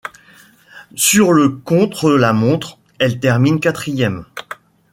Sur le contre-la-montre, elle termine quatrième.